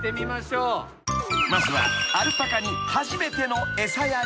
［まずはアルパカに］